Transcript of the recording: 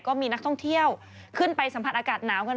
ก็มีนักท่องเที่ยวขึ้นไปสัมผัสอากาศหนาวกัน